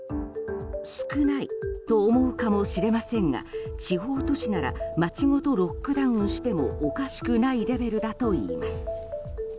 少ないと思うかもしれませんが地方都市なら街ごとロックダウンしてもおかしくないレベルだといいます。